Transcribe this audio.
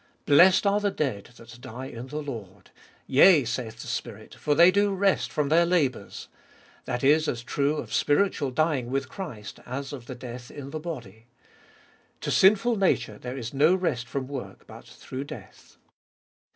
" Blessed are the dead that die in the Lord. Yea, saith the Spirit, for they do rest from their labours." That is as true of spiritual dying with Christ as of the death in the body. To sinful nature there is no rest from work but through death.